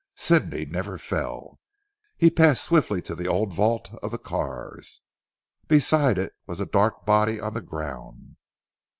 Sidney never fell. He passed swiftly to the old vault of the Carrs. Beside it was a dark body on the ground.